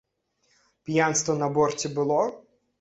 П'янства на борце было?